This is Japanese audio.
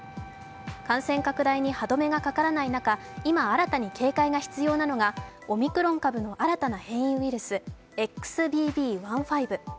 感染拡大に歯止めがかからない中、今新たに警戒が必要なのはオミクロン株の新たな変異ウイルス、ＸＢＢ．１．５。